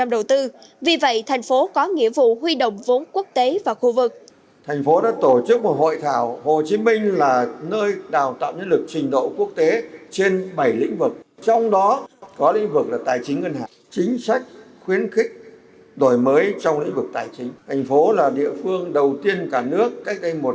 đầu tư vì vậy thành phố có nghĩa vụ huy động vốn quốc tế và khu vực